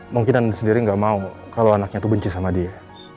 mungkin anon sendiri gak mau kalau anaknya tuh benci sama dia